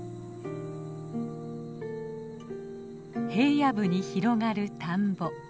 平野部に広がる田んぼ。